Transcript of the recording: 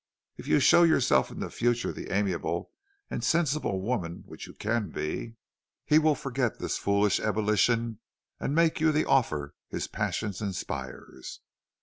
If you show yourself in future the amiable and sensible woman which you can be, he will forget this foolish ebullition and make you the offer his passion inspires.